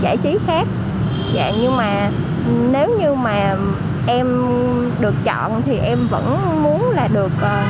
giải trí khác nhưng mà nếu như mà em được chọn thì em vẫn muốn là được